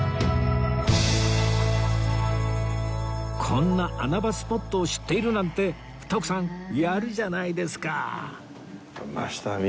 こんな穴場スポットを知っているなんて徳さんやるじゃないですか！